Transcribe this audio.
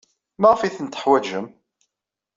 Maɣef ay ten-teḥwajem?